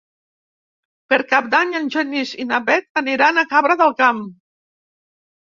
Per Cap d'Any en Genís i na Bet aniran a Cabra del Camp.